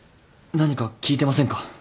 何か聞いてませんか？